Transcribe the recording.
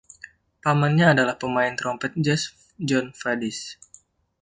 Pamannya adalah pemain trompet jazz Jon Faddis.